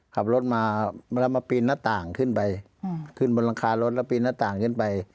ขับรถมาแล้วมาปีนหน้าต่างขึ้นไปขึ้นบนหลังคารถแล้วปีนหน้าต่างขึ้นไป